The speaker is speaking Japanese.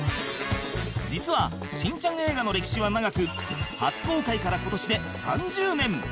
実は『しんちゃん』映画の歴史は長く初公開から今年で３０年